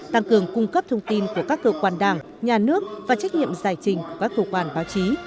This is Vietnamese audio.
tăng cường cung cấp thông tin của các cơ quan đảng nhà nước và trách nhiệm giải trình của các cơ quan báo chí